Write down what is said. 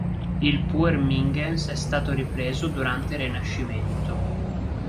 Il puer mingens è stato ripreso durante il Rinascimento.